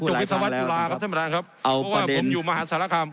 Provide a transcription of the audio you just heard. จุฬิสวัสดิ์จุฬาครับท่านประธานครับเอาประเด็นผมอยู่มหาศาลคาม